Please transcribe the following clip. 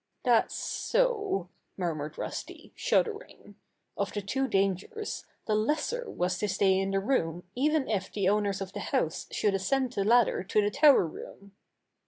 "That's so," murmured Rusty, shuddering. Of the two dangers, the lesser was to stay in the room even if the owners of the house should ascend the ladder to the tower room.